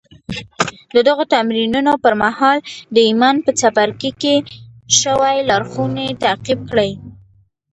د دغو تمرينونو پر مهال د ايمان په څپرکي کې شوې لارښوونې تعقيب کړئ.